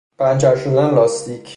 پنچر شدن لاستیک.